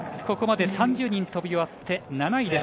ここまで３０人飛び終わって７位。